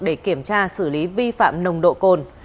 để kiểm tra xử lý vi phạm nồng độ cồn